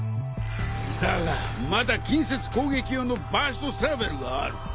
だがまだ近接攻撃用のバーストサーベルがある。